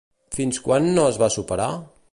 Fins quan no es va superar?